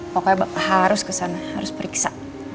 pokoknya bapak harus kesana harus periksa